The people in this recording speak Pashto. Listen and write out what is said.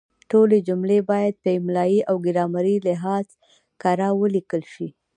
ټولې جملې باید په املایي او ګرامري لحاظ کره ولیکل شي.